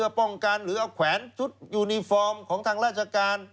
ป้องกันหรือเอาแขวนชุดยูนิฟอร์มของทางราชการ